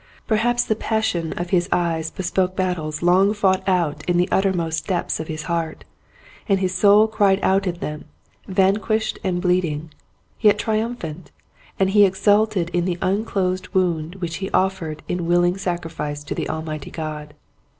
Perhaps the passion of his eyes bespoke battles long fought out in the uttermost depths of his heart, and his soul cried out in them, vanquished and bleeding, yet tri umphant, and he exulted in the unclosed wound which he offered in willing sacrifice to Almighty God.